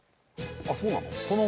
あっそうなの？